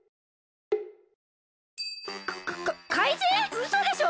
うそでしょ！？